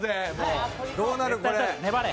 粘れ。